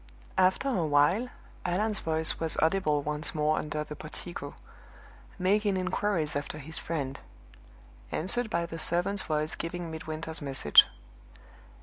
After a while, Allan's voice was audible once more under the portico, making inquiries after his friend; answered by the servant's voice giving Midwinter's message.